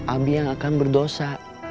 abi yang akan berdosa